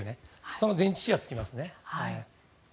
その前置詞が付きますね。